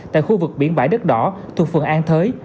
tại khu vực biển bãi đất đỏ thuộc phường an thới